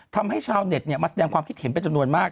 ทำให้ชาวเน็ตมาแสดงความคิดเห็นเป็นจำนวนมาก